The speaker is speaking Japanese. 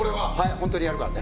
本当にやるからね。